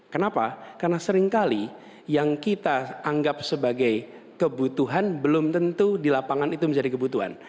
kenapa karena seringkali yang kita anggap sebagai kebutuhan belum tentu di lapangan itu menjadi kebutuhan